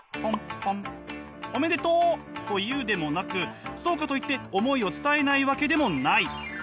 「おめでとう！」と言うでもなくそうかといって思いを伝えないわけでもない。